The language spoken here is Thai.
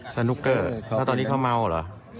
สนุกเกอร์แล้วตอนนี้เขาเมาเหรอ